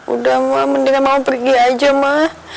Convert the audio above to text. udah ma mendingan mama pergi aja ma